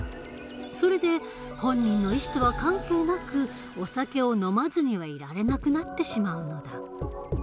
それで本人の意思とは関係なくお酒を飲まずにはいられなくなってしまうのだ。